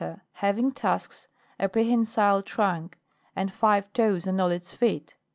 Having tusks, a prehensile trunk and / five toes on all [he feet.